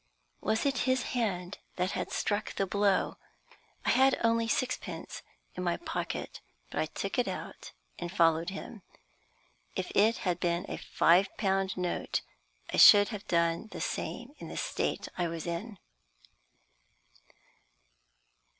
Was it his hand that had struck the blow? I had only sixpence in my pocket, but I took it out and followed him. If it had been a five pound note I should have done the same in the state I was in then.